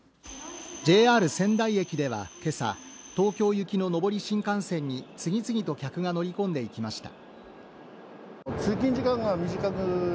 仙台駅では今朝、東京行きの上り新幹線に次々と客が乗り込んでいきました。